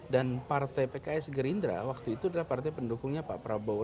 partai pks gerindra waktu itu adalah partai pendukungnya pak prabowo